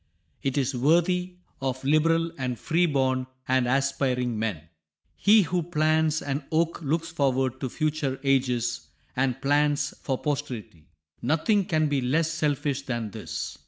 It is worthy of liberal and freeborn and aspiring men. He who plants an oak looks forward to future ages, and plants for posterity. Nothing can be less selfish than this.